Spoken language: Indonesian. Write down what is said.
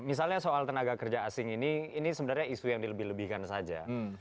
misalnya soal tenaga kerja asing ini ini sebenarnya isu yang dilebih lebihkan saja